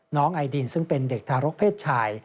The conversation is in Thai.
ไอดินซึ่งเป็นเด็กทารกเพศชาย